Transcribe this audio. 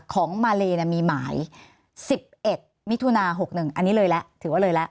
ของมาเลเนี่ยมีหมาย๑๑มิถุนา๖๑อันนี้เลยละถือว่าเลยละ